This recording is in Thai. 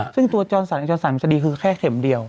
ซึ่งตัวจรสันจรสันจะดีคือแค่เข็มเดียว